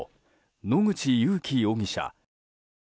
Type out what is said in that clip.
野口勇樹容疑者。